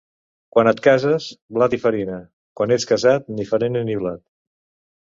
Quan et cases, blat i farina; quan ets casat, ni farina ni blat.